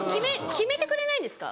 決めてくれないんですか？